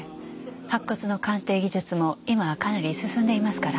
白骨の鑑定技術も今はかなり進んでいますから。